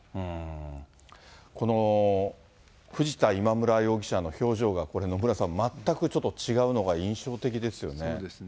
この藤田、今村容疑者の表情が、野村さん、全くちょっと違うのが印象的ですよね。